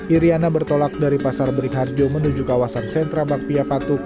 iryana bertolak dari pasar berikharjo menuju kawasan sentra bakpia patuk